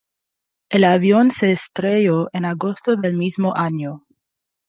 El avión se estrelló en agosto del mismo año.